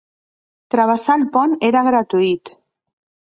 Travessar el pont era gratuït.